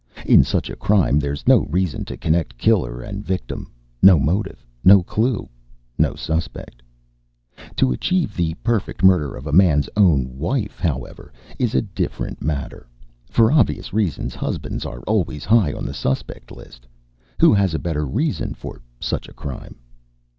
In such a crime, there's no reason to connect killer and victim no motive, no clue, no suspect. To achieve the perfect murder of a man's own wife, however, is a different matter. For obvious reasons, husbands are always high on the suspect list. Who has a better reason for such a crime?